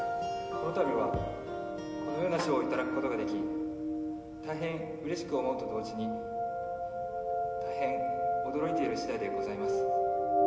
このたびはこのような賞をいただくことができたいへんうれしく思うと同時にたいへん驚いているしだいでございます。